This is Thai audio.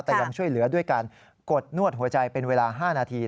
แต่ยังช่วยเหลือด้วยการกดนวดหัวใจเป็นเวลา๕นาที